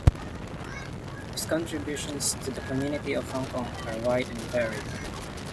His contributions to the community of Hong Kong are wide and varied.